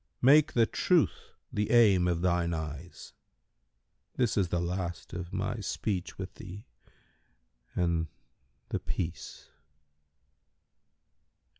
Make the Truth the aim of thine eyes; this is the last of my speech with thee and—The Peace."